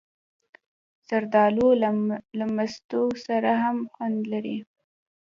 زردالو له مستو سره هم خوند لري.